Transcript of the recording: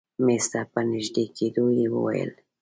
مېز ته په نژدې کېدو يې وويل.